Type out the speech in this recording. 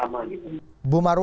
ada petugas bangun